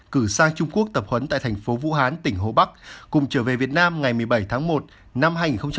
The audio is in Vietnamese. cử sang trung quốc tập huấn tại thành phố vũ hán tỉnh hồ bắc cùng trở về việt nam ngày một mươi bảy tháng một năm hai nghìn hai mươi